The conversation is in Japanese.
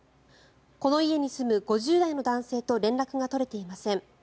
この家に住む５０代の男性と連絡が取れていません。